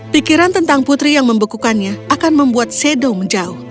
pikiran tentang putri yang membekukannya akan membuat shadow menjauh